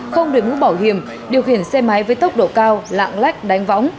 không được ngũ bảo hiểm điều khiển xe máy với tốc độ cao lạng lách đánh võng